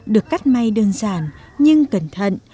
được cắt may đơn giản nhưng cẩn thận